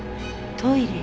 トイレに？